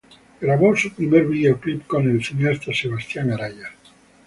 Grabó su primer video clip con el cineasta Sebastián Araya.